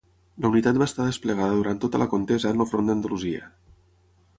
La unitat va estar desplegada durant tota la contesa en el Front d'Andalusia.